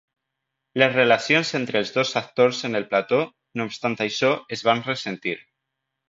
Les relacions entre els dos actors en el plató, no obstant això, es van ressentir.